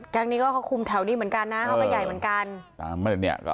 นี้ก็เขาคุมแถวนี้เหมือนกันนะเขาก็ใหญ่เหมือนกัน